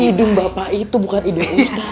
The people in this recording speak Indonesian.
di hidung bapak itu bukan hidung ustadz